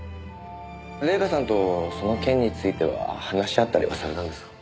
礼夏さんとその件については話し合ったりはされたんですか？